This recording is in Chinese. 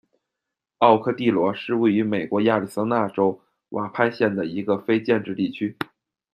奥科蒂洛是位于美国亚利桑那州亚瓦派县的一个非建制地区。